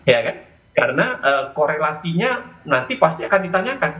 ya kan karena korelasinya nanti pasti akan ditanyakan